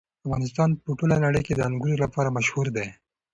افغانستان په ټوله نړۍ کې د انګور لپاره مشهور دی.